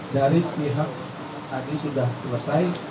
dari pihak tadi sudah selesai